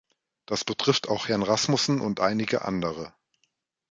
Das betrifft auch Herrn Rasmussen und einige andere.